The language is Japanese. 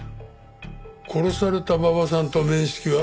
殺された馬場さんと面識は？